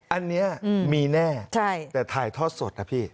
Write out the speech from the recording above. อันนี้มีแน่แต่ถ่ายทอดสดนะพี่